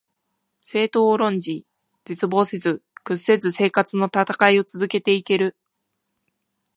政党を論じ、絶望せず、屈せず生活のたたかいを続けて行ける